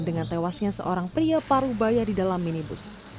dengan tewasnya seorang pria parubaya di dalam minibus